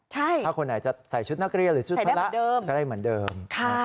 ถ้าคนไหนจะใส่ชุดหน้าเกลี้ยหรือชุดพระใส่ได้เหมือนเดิม